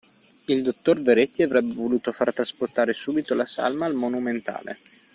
Il dottor Veretti avrebbe voluto far trasportare subito la salma al Monumentale;